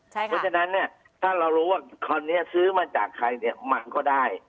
ใช่ค่ะงั้นฉะนั้นถ้าเรารู้ว่าคนนี้ซื้อมาจากใครมันก็ได้